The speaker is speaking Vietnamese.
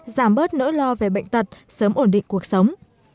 giảm bớt nỗi lo về bệnh tật sớm ổn định cuộc sống